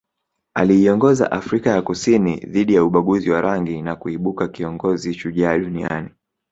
Aliiongoza Afrika ya Kusini dhidi ya ubaguzi wa rangi na kuibuka kiongozi shujaa duniani